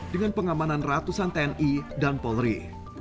dengan pengamanan ratusan tni dan polri